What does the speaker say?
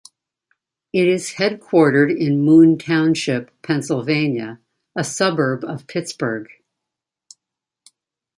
It is headquartered in Moon Township, Pennsylvania, a suburb of Pittsburgh.